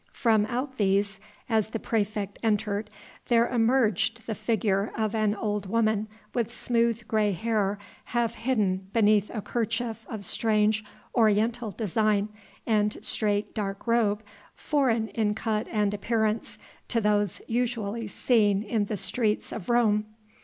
From out these, as the praefect entered, there emerged the figure of an old woman, with smooth grey hair half hidden beneath a kerchief of strange oriental design, and straight dark robe, foreign in cut and appearance to those usually seen in the streets of Rome.